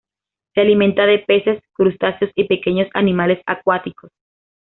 Se alimenta de peces, crustáceos y pequeños animales acuáticos.